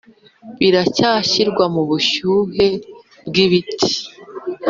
biracyashyirwa mubushyuhe bwibiti.